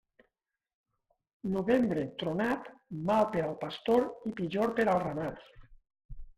Novembre tronat, mal per al pastor i pitjor per al ramat.